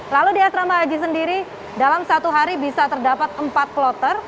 lalu di asrama haji sendiri dalam satu hari bisa terdapat empat kloter